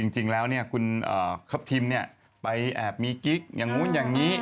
จริงแล้วคุณทัพทิมไปแอบมีกิ๊กอย่างนู้นอย่างนี้